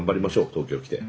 東京来て。